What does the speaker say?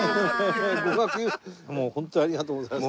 もう本当にありがとうございます。